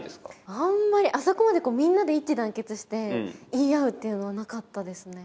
あんまりあそこまでみんなで一致団結して言い合うっていうのはなかったですね